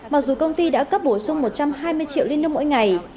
mặc dù công ty đã cấp bổ sung một trăm hai mươi triệu linh lương mỗi ngày